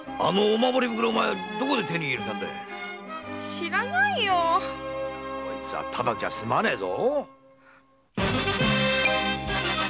知らないよ。こいつはただじゃ済まねえぞ。